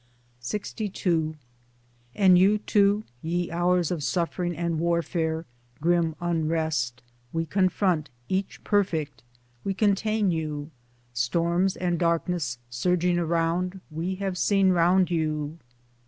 LXI1 And you too, ye hours of suffering and warfare, grim unrest, we confront, each perfect ; we contain you ; storms and darkness surging around, we have seen round you.